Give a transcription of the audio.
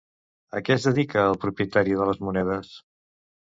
A què es dedica el propietari de les monedes?